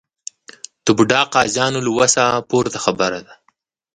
د بوډا قاضیانو له وسه پورته خبره ده.